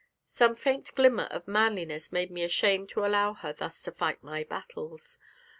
Some faint glimmer of manliness made me ashamed to allow her thus to fight my battles.